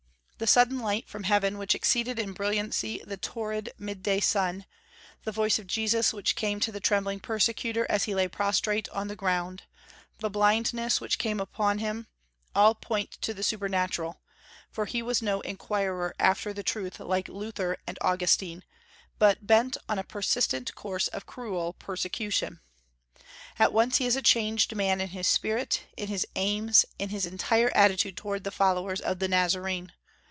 The sudden light from heaven which exceeded in brilliancy the torrid midday sun, the voice of Jesus which came to the trembling persecutor as he lay prostrate on the ground, the blindness which came upon him all point to the supernatural; for he was no inquirer after truth like Luther and Augustine, but bent on a persistent course of cruel persecution. At once he is a changed man in his spirit, in his aims, in his entire attitude toward the followers of the Nazarene.